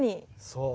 そう。